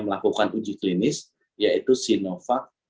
melakukan uji klinis yaitu sinovac